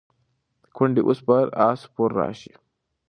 ګوندي اوس به پر آس سپور راشي.